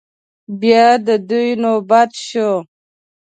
بيا د دوی نوبت شو.